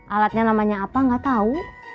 alatnya namanya apa gak tau